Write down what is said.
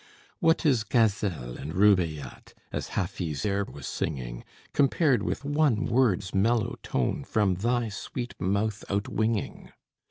What is Ghazel and Rubajat, as Hafiz ere was singing, Compared with one word's mellow tone, from thy sweet mouth outwinging?